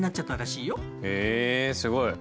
へえすごい。